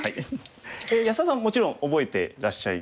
安田さんはもちろん覚えてらっしゃいますよね。